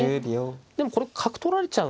でもこれ角取られちゃうんですよね。